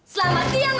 selamat siang om